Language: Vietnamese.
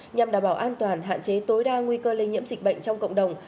nhằm đảm bảo an toàn hạn chế tối đa nguy cơ lây nhiễm dịch bệnh trong cộng đồng